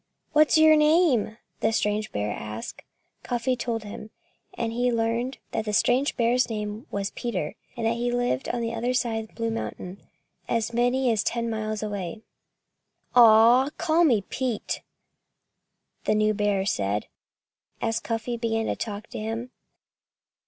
"What's yer name?" the strange bear asked. Cuffy told him. And he learned that the strange bear's name was Peter, and that he lived around on the other side of Blue Mountain, as many as ten miles away. "Aw call me Pete," the new bear said, as Cuffy began to talk to him.